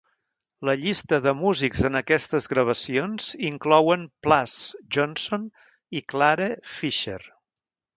La llista de músics en aquestes gravacions inclouen Plas Johnson i Clare Fischer.